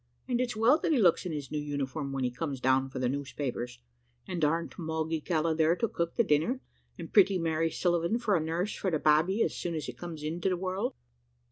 and it's well that he looks in his new uniform, when he comes down for the newspapers; and ar'n't Moggy Cala there to cook the dinner, and pretty Mary Sullivan for a nurse for the babby as soon as it comes into the world.'